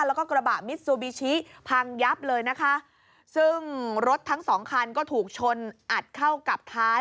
แล้วก็กระบะมิซูบิชิพังยับเลยนะคะซึ่งรถทั้งสองคันก็ถูกชนอัดเข้ากับท้าย